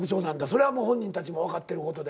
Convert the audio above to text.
それは本人たちも分かってることで。